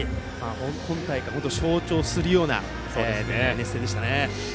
今大会を象徴するような熱戦でしたね。